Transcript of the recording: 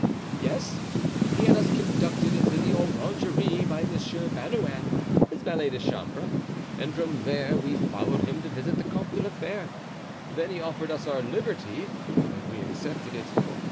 "Yes, he had us conducted into the orangery by Monsieur Bernouin, his valet de chambre, and from there we followed him to visit the Comte de la Fere. Then he offered us our liberty and we accepted it.